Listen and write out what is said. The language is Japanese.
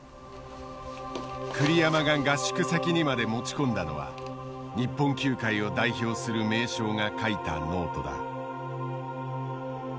栗山が合宿先にまで持ち込んだのは日本球界を代表する名将が書いたノートだ。